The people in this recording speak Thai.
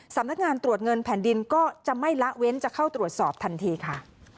สำนักงานตรวจเงินแผ่นดินก็จะไม่ละเว้นจะเข้าตรวจสอบทันทีค่ะ